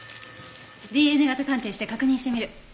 ＤＮＡ型鑑定して確認してみる。